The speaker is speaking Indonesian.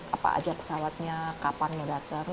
apa saja pesawatnya kapan mendatang